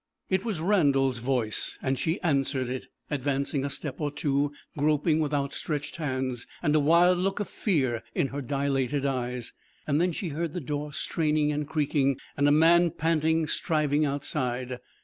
It was Randal's voice; and she answered it, advancing a step or two, groping with outstretched hands, and a wild look of fear in her dilated eyes. Then she heard the door straining and creaking, and a man panting, striving outside.